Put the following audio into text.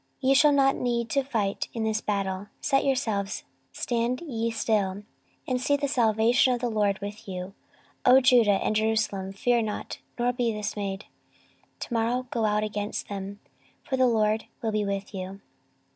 14:020:017 Ye shall not need to fight in this battle: set yourselves, stand ye still, and see the salvation of the LORD with you, O Judah and Jerusalem: fear not, nor be dismayed; to morrow go out against them: for the LORD will be with you.